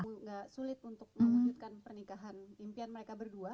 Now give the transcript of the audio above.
jadi itu juga tidak sulit untuk memulihkan pernikahan impian mereka berdua